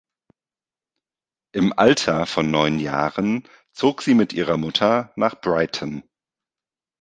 Im Alter von neun Jahren zog sie mit ihrer Mutter nach Brighton.